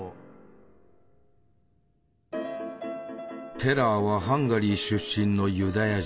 テラーはハンガリー出身のユダヤ人。